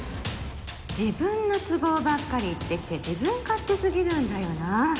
自分の都合ばっかり言ってきて自分勝手すぎるんだよな！